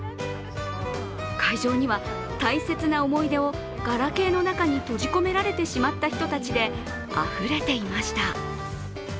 会場には大切な思い出をガラケーの中に閉じ込められてしまった人たちであふれていました。